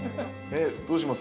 どうします？